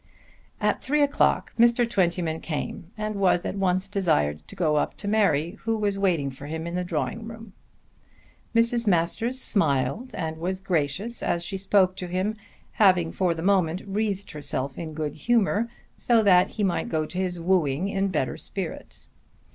At three o'clock Mr. Twentyman came and was at once desired to go up to Mary who was waiting for him in the drawing room. Mrs. Masters smiled and was gracious as she spoke to him, having for the moment wreathed herself in good humour so that he might go to his wooing in better spirit.